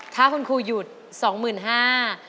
ถ้าคุณครูหยุด๒๕๐๐บาท